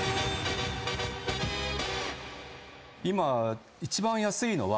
今一番安いのは。